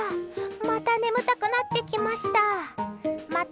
また眠たくなってきました。